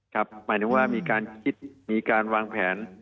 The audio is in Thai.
หมายถึงว่ามีการคิดมีการวางแผน